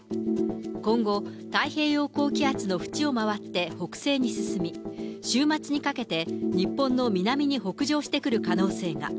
今後、太平洋高気圧の縁を回って北西に進み、週末にかけて日本の南に北上してくる可能性が。